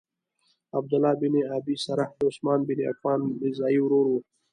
عبدالله بن ابی سرح د عثمان بن عفان رضاعی ورور وو.